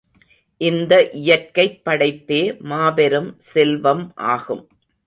இந்த இயற்கைப் படைப்பே மாபெரும் செல்வம் ஆகும்.